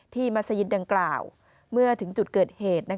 มัศยิตดังกล่าวเมื่อถึงจุดเกิดเหตุ